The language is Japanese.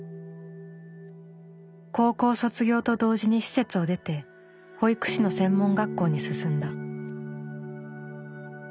高校卒業と同時に施設を出て保育士の専門学校に進んだ。